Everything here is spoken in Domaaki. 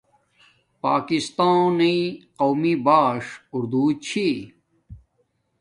پاکستانݵ قومی باݽ ارودو چھی